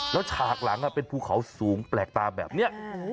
แล้วฉากหลังเป็นภูเขาสูงแปลกตาแบบนี้